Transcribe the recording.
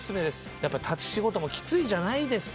やっぱ立ち仕事もきついじゃないですか。